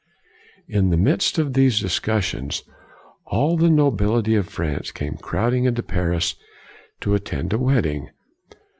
In the midst of these discussions, all the nobility of France came crowding into Paris to attend a wedding.